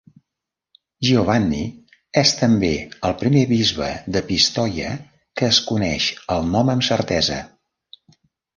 Giovanni és també el primer bisbe de Pistoia que es coneix el nom amb certesa.